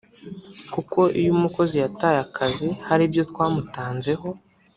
Kuko iyo umukozi yataye akazi hari ibyo twamutanzeho